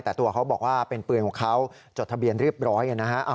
แต่ตัวเขาบอกว่าเป็นปืนของเขาจดทะเบียนเรียบร้อยนะฮะ